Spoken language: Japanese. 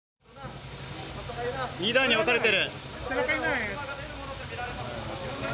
２台に分かれている。